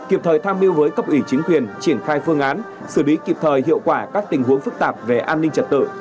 kịp thời tham mưu với cấp ủy chính quyền triển khai phương án xử lý kịp thời hiệu quả các tình huống phức tạp về an ninh trật tự